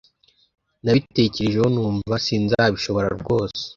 Nabitekerejeho numva sinzabishobora rwose